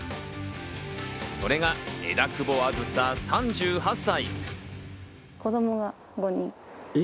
それが枝久保梓、３８歳。